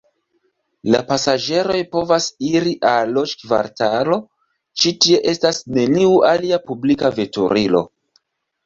La pasaĝeroj povas iri al loĝkvartalo, ĉi tie estas neniu alia publika veturilo.